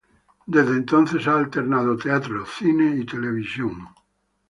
Desde entonces ha alternado teatro, cine y televisión.